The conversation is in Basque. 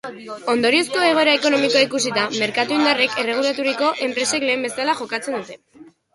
Ondoriozko egoera ekonomikoa ikusita, merkatu indarrek erregulaturiko enpresek lehen bezala jokatzen dute.